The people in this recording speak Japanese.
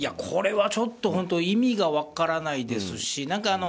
これは、ちょっと本当意味が分からないですし。